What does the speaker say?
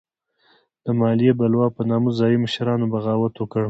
د مالیې بلوا په نامه ځايي مشرانو بغاوت وکړ.